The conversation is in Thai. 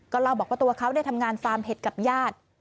เล่าบอกว่าตัวเขาได้ทำงานฟาร์มเห็ดกับญาติ